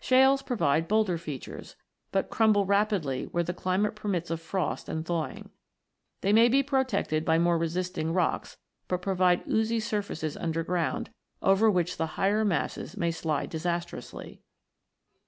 Shales provide bolder features, but crumble rapidly where the climate permits of frost and thawing. They may be protected by more resisting rocks, but provide oozy surfaces underground, over which the higher masses may slide disastrously (Fig.